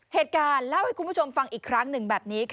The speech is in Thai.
เหตุการณ์เล่าให้คุณผู้ชมฟังอีกครั้งนึง